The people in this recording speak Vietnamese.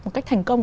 một cách thành công